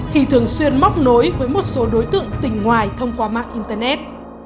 khi thường xuyên móc nối với một số đối tượng tỉnh ngoài thông qua mạng internet